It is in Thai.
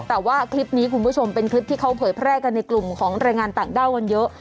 แต่ว่าคลิปนี้คุณผู้ชมเป็นคลิปที่เขาเผยแพร่กันในกลุ่มของแรงงานต่างด้าวกันเยอะ